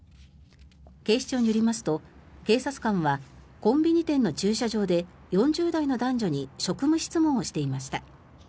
警視庁によりますと警察官はコンビニ店の駐車場で４０代の男女に職務質問をしていました。